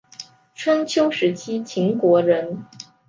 春秋时期秦国人。